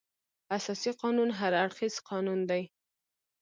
اساسي قانون هر اړخیز قانون دی.